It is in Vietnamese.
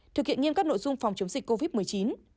thực hiện nghiêm các nội dung phòng chống dịch covid một mươi chín